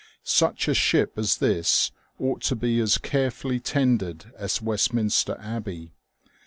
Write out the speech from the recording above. Such a ship as this ought to be as carefully tended as Westminster Abbey.